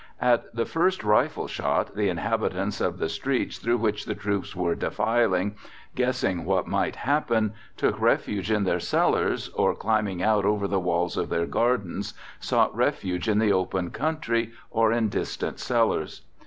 At the first rifle shot the inhabitants of the streets through which the troops were defiling, guessing what might happen, took refuge in their cellars or, climbing out over the walls of their gardens, sought refuge in the open country or in distant cellars.